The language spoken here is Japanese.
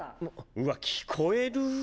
うわ聞こえるぅ。